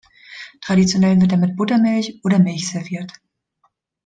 Traditionell wird er mit Buttermilch oder Milch serviert.